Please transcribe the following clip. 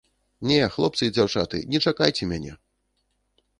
Не, хлопцы і дзяўчаты, не чакайце мяне!